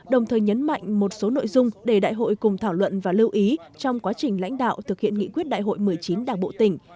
đồng thời nhấn mạnh một số nội dung để đại hội cùng thảo luận và lưu ý trong quá trình lãnh đạo thực hiện nghị quyết đại hội một mươi chín đảng bộ tỉnh